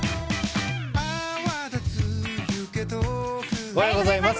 おはようございます。